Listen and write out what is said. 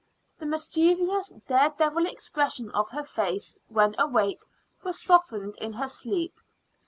The mischievous, dare devil expression of her face when awake was softened in her sleep.